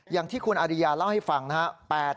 อย่างที่คุณอริยาเล่าให้ฟังนะครับ